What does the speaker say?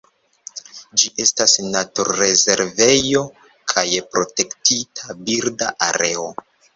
Ĝi estas naturrezervejo kaj Protektita birda areo.